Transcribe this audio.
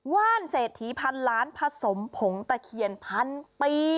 ว่านเศรษฐีพันล้านผสมผงตะเคียนพันปี